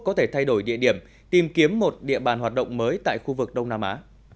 có thể thay đổi địa điểm tìm kiếm một địa bàn hoạt động mới tại khu vực đông nam á